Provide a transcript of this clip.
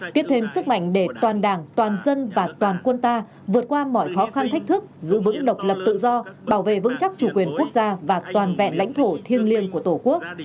tiếp thêm sức mạnh để toàn đảng toàn dân và toàn quân ta vượt qua mọi khó khăn thách thức giữ vững độc lập tự do bảo vệ vững chắc chủ quyền quốc gia và toàn vẹn lãnh thổ thiêng liêng của tổ quốc